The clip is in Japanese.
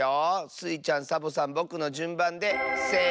スイちゃんサボさんぼくのじゅんばんでせの。